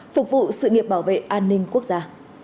phục vụ sự nghiệp bảo vệ an ninh quốc gia